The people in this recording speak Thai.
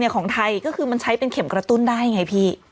ของไทยก็คือมันใช้เป็นเข็มกระตุ้นได้ไงพี่